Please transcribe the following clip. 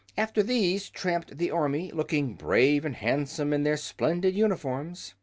After these tramped the Army, looking brave and handsome in their splendid uniforms.